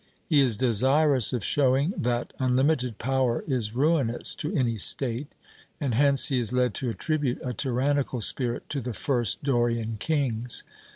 He is desirous of showing that unlimited power is ruinous to any state, and hence he is led to attribute a tyrannical spirit to the first Dorian kings.